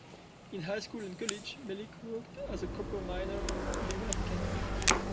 In high school and college Melich worked as a copper miner in Bingham Canyon.